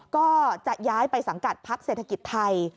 ก็จะย้ายไปสังกัดพักเศรษฐกิจไทย